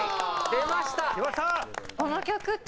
出ました！